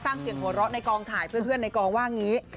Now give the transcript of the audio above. เสียงหัวเราะในกองถ่ายเพื่อนในกองว่างี้